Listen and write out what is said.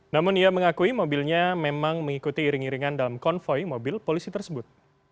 namun ia mengakui mobilnya memang mengikuti iring iringan dalam konvoy mobil polisi tersebut